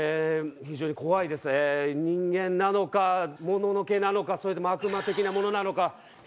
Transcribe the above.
非常に怖いです人間なのかもののけなのかそれとも悪魔的なものなのかああ